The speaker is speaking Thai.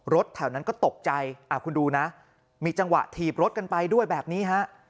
แถวนั้นก็ตกใจคุณดูนะมีจังหวะถีบรถกันไปด้วยแบบนี้ฮะ